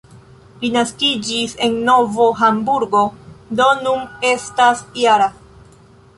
Li naskiĝis en Novo Hamburgo, do nun estas -jara.